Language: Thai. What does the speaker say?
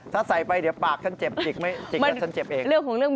ถ้าใส่ไปปากฉันเจ็บจิกไหมจิกแล้วฉันเจ็บเอง